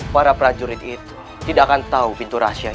para prajurit itu tidak akan tahu pintu rahasia